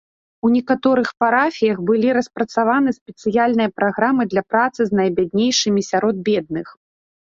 У некаторых парафіях былі распрацаваны спецыяльныя праграмы для працы з найбяднейшымі сярод бедных.